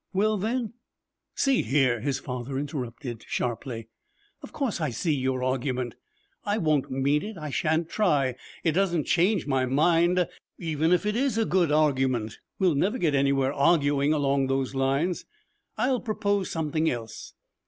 'Well, then ' 'See here!' his father interrupted sharply. 'Of course I see your argument. I won't meet it. I shan't try. It doesn't change my mind even if it is a good argument. We'll never get anywhere, arguing along those lines. I'll propose something else.